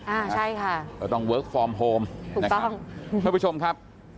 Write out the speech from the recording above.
อ่าใช่ค่ะเราต้องเวิร์คฟอร์มโฮมคุณผู้ชมครับ